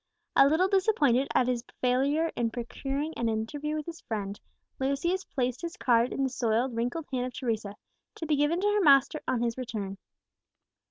A little disappointed at his failure in procuring an interview with his friend, Lucius placed his card in the soiled, wrinkled hand of Teresa, to be given to her master on his return.